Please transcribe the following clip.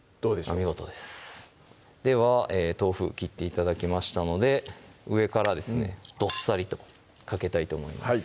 お見事ですでは豆腐切って頂きましたので上からですねどっさりとかけたいと思います